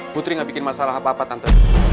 putri nggak bikin masalah apa apa tante